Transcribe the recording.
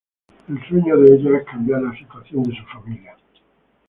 El sueño de ella es cambiar la situación de su familia.